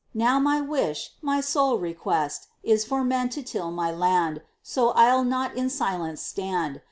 Now my wish, my sole request, Is for men to till my land; So I'll not in silence stand.